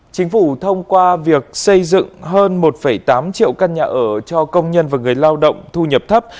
chính phủ thông qua việc xây dựng hơn một tám triệu căn nhà ở cho công nhân và người lao động thu nhập thấp